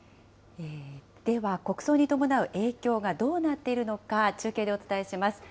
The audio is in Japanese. では、国葬に伴う影響がどうなっているのか、中継でお伝えします。